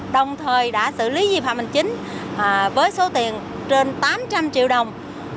đồng thời đã xử lý di phạm hình chính với số tiền trên tám trăm linh triệu đồng